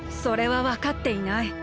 それはわかっていない。